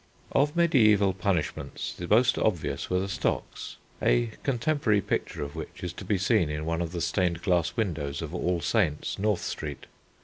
Of mediæval punishments the most obvious were the stocks, a contemporary picture of which is to be seen in one of the stained glass windows of All Saints', North Street.